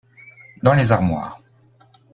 Dans les armoires.